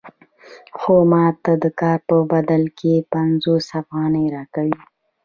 خو ماته د کار په بدل کې پنځوس افغانۍ راکوي